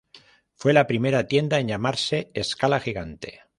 Fue la primera tienda en llamarse "Scala Gigante".